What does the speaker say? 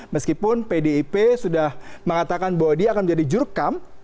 meskipun pdip sudah mengatakan bahwa dia akan menjadi jurkam